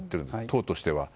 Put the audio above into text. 党としては。